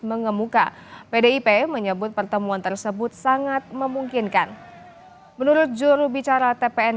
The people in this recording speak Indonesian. mengemuka pdip menyebut pertemuan tersebut sangat memungkinkan menurut jurubicara tpn